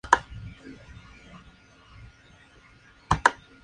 No se vendió bien y Apple pensó que debería hacerlo mejor la siguiente vez.